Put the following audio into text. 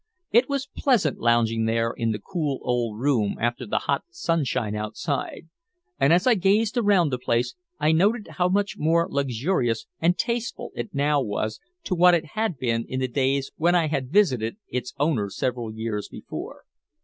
It was pleasant lounging there in the cool old room after the hot sunshine outside, and as I gazed around the place I noted how much more luxurious and tasteful it now was to what it had been in the days when I had visited its owner several years before.